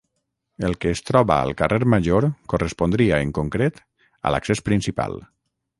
El que es troba al carrer Major correspondria, en concret, a l'accés principal.